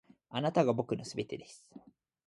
あなたが僕の全てです．